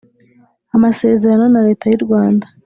amasezerano na Leta y u Rwanda